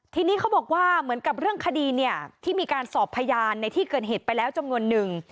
ทีนี้เขาบอกว่าเหมือนกับเรื่องคดีเนี่ยที่มีการสอบพยานในที่เกิดเหตุไปแล้วจำนวนนึง